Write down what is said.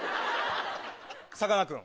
さかなクン。